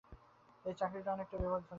এই চাকরিটা অনেক বিপজ্জনক।